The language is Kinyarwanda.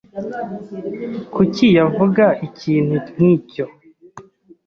Kuki yavuga ikintu nkicyo?